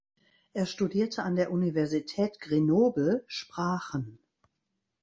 Er studierte an der Universität Grenoble Sprachen.